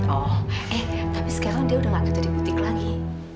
oh eh tapi sekarang dia udah gak kebutik lagi